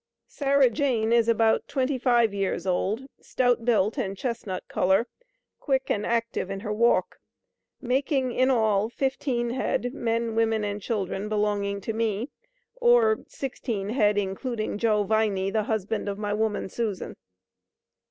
Sarah Jane is about 25 years old, stout built and chesnut coller, quick and active in her walk. Making in all 15 head, men, women and children belonging to me, or 16 head including Joe Viney, the husband of my woman Susan.